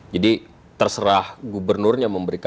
jadi terserah gubernurnya